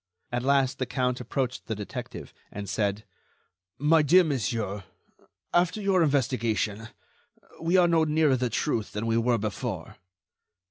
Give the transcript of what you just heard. At last, the count approached the detective, and said: "My dear monsieur, after your investigation, we are no nearer the truth than we were before."